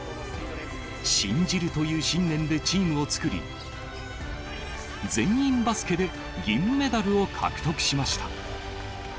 信じるという信念でチームを作り、全員バスケで銀メダルを獲得しました。